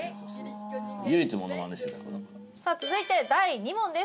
さあ続いて第２問です。